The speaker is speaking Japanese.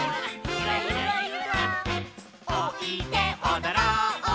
「おいでおどろう」